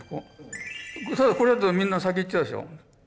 ただこれだとみんな先いっちゃうでしょ。